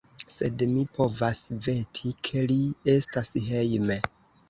Sed mi povas veti, ke li estas hejme.